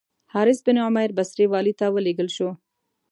حارث بن عمیر بصري والي ته ولېږل شو.